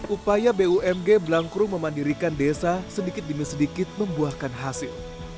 upaya bumg blankrum memandirikan desa sedikit demi sedikit membuahkan hasil